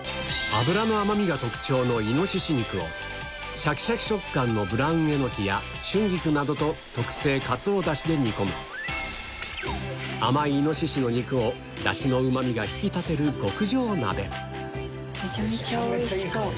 脂の甘みが特徴のシャキシャキ食感のブラウンえのきや春菊などと特製かつおダシで煮込む甘いイノシシの肉をダシのうま味が引き立てる極上鍋めちゃめちゃおいしそう。